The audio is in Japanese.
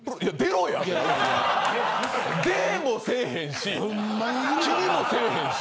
出ぇもせぇへんし気にもせぇへんし。